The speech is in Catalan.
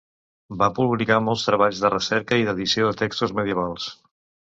Va publicar molts treballs de recerca i d'edició de textos medievals.